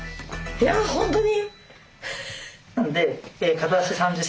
いや本当に？